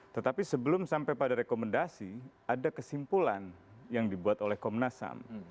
tetapi sebelum sampai pada rekomendasi ada kesimpulan yang dibuat oleh komnas ham